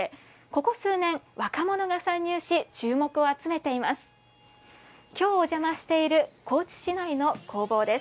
ここ数年、若者が参入し注目を集めています。